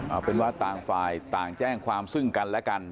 เอาเป็นว่าต่างฝ่ายต่างแจ้งความซึ่งกันและกัน